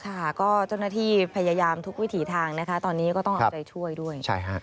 ค่ะก็เจ้าหน้าที่พยายามทุกวิถีทางนะคะตอนนี้ก็ต้องเอาใจช่วยด้วย